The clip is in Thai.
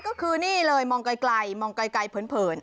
ก็คือนี่เลยมองไกลเผิน